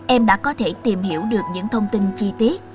em đã có thể tìm hiểu được những thông tin chi tiết